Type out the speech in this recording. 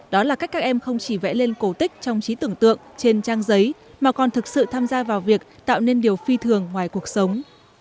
đó là cách các em không chỉ vẽ lên cổ tích trong trí tưởng tượng trên trang giấy mà còn thực sự tham gia vào việc tạo nên điều phi thường ngoài cuộc sống